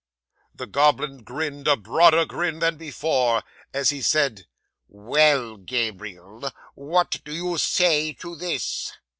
'The goblin grinned a broader grin than before, as he said, "Well, Gabriel, what do you say to this?"